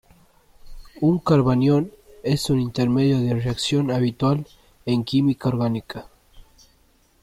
Un carbanión es un intermedio de reacción habitual en química orgánica.